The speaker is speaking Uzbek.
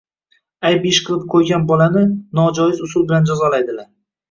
Ayb ish qilib qo‘ygan bolani nojoiz usul bilan jazolaydilar.